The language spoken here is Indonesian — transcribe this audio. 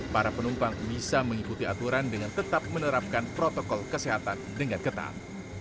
para penumpang bisa mengikuti aturan dengan tetap menerapkan protokol kesehatan dengan ketat